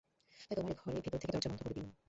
তাই তোমার এ-ঘরে ভিতর থেকে দরজা বন্ধ করে দিলুম।